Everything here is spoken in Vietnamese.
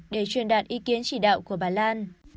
để truyền đạt ý kiến chỉ đạo của bà lan